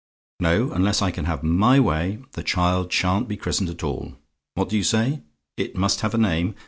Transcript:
"No; unless I can have MY way, the child sha'n't be christened at all. What do you say? "IT MUST HAVE A NAME?